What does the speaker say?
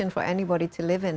untuk orang orang hidup